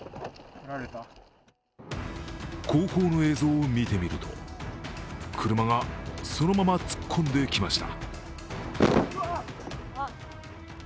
後方の映像を見てみると、車がそのまま突っ込んできました。